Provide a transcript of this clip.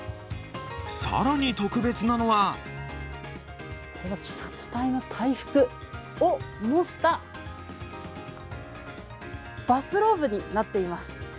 更に特別なのは鬼殺隊の隊服を模したバスローブになっています。